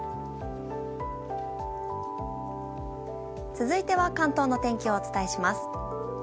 続いては関東の天気をお伝えします。